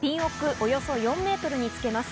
およそ４ｍにつけます。